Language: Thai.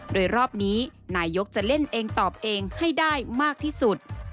โดยรอบนี้นายกจะเล่นเองตอบเองให้ได้มากที่สุด